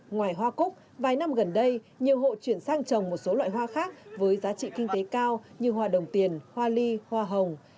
ngoài hoa cúc vài năm gần đây nhiều hộ chuyển sang trồng một số loại hoa khác với giá trị kinh tế cao như hoa đồng tiền hoa ly hoa hồng